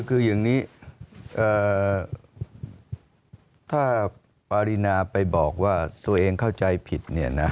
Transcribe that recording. คืออย่างนี้ถ้าปารินาไปบอกว่าตัวเองเข้าใจผิด